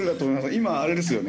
今あれですよね